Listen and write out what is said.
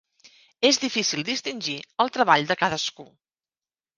És difícil distingir el treball de cadascú.